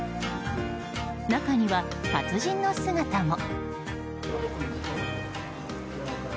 中には、達人の姿も。